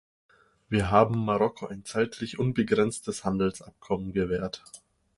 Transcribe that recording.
Wir haben Marokko ein zeitlich unbegrenztes Handelsabkommen gewährt.